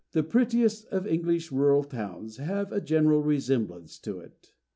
The prettiest of English rural towns have a general resemblance to it.